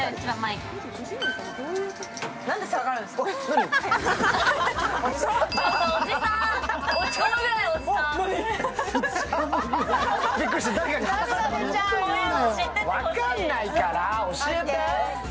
分かんないから教えて！